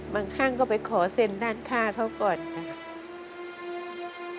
ข้างก็ไปขอเซ็นด้านค่าเขาก่อนค่ะ